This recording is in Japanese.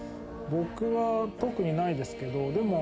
僕は特にないですけどでも。